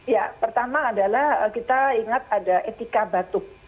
ya pertama adalah kita ingat ada etika batuk